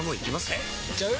えいっちゃう？